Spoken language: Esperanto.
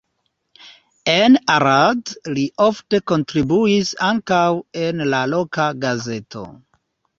En Arad li ofte kontribuis ankaŭ en la loka gazeto.